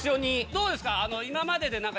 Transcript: どうですか？